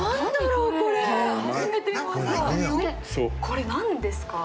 これなんですか？